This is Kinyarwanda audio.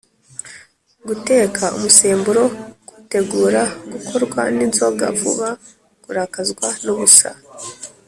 guteka umusemburo: kuwutegura; gukorwa n’inzoga vuba; kurakazwa n’ubusa